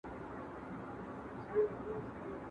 خو ته درمل هم سم نه خورې